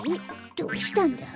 どうしたんだ？